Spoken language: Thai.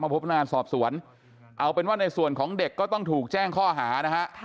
พบพนักงานสอบสวนเอาเป็นว่าในส่วนของเด็กก็ต้องถูกแจ้งข้อหานะฮะ